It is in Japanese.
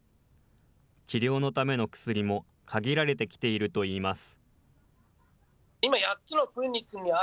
治療のための薬も限られてきているといいます。